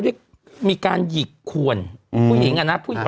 ด้วยมีการหยิกขวนผู้หญิงอ่ะนะหวัดโทษอ่ะนะ